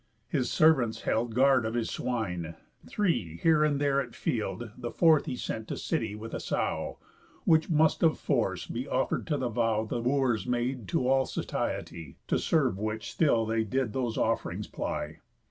His servants held Guard of his swine: three, here and there, at field, The fourth he sent to city with a sow, Which must of force be offer'd to the vow The Wooers made to all satiety, To serve which still they did those off'rings ply.